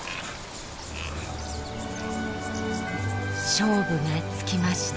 勝負がつきました。